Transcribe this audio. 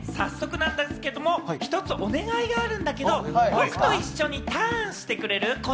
早速なんですけど、一つお願いがあるんだけど、僕と一緒にターンしてくれる？